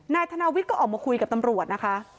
นายธนาวิทย์ก็ออกมาคุยกับตำรวจนะคะ